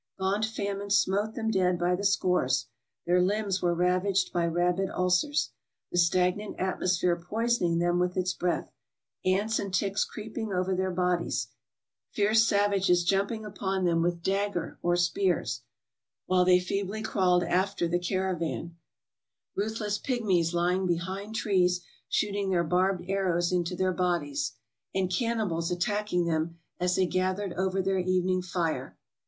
Gaunt famine smote them dead by the scores ; their limbs were ravaged by rabid ulcers, the stagnant atmosphere poisoning them with its breath, ants and ticks creeping over their bodies, fierce savages jumping upon them with dagger or spears, while they feebly crawled after the caravan ; ruthless pigmies lying behind trees shoot 342 TRAVELERS AND EXPLORERS ing their barbed arrows into their bodies; and cannibals attacking them as they gathered over their evening fire.